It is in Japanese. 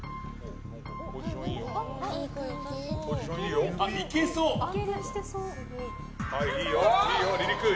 ポジションいいよ。